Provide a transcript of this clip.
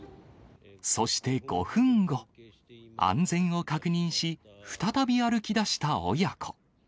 そして５分後、安全を確認し、再び歩き出した親子。